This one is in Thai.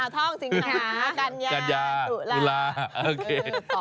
ท่องสิงหากัญญาตุลาคม